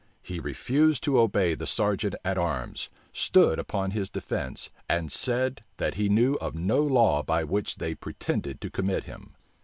He refused to obey the serjeant at arms, stood upon his defence, and said that he knew of no law by which they pretended to commit him.